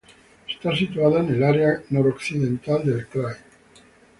Está situado en el área noroccidental del krai.